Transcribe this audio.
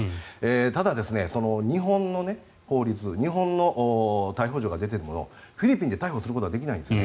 ただ、日本の法律日本の逮捕状が出ているものをフィリピンで逮捕することができないんですね。